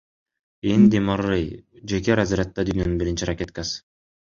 Энди Маррей — жеке разрядда дүйнөнүн биринчи ракеткасы.